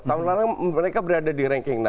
tahun lalu mereka berada di ranking